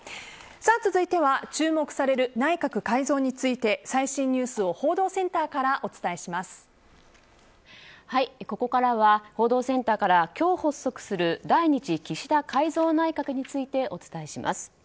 続いては注目される内閣改造について最新ニュースをここからは報道センターから今日発足する第２次岸田改造内閣についてお伝えします。